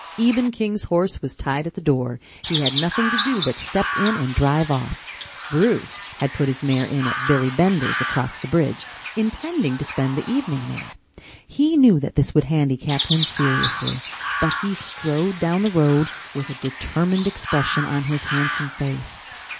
Eben King's horse was tied at the door. He had nothing to do but step in and drive off. Bruce had put his mare in at Billy Bender's across the bridge, intending to spend the evening there. He knew that this would handicap him seriously, but he strode down the road with a determined expression on his handsome face.